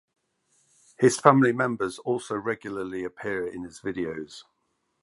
His family members also regularly appear in his videos.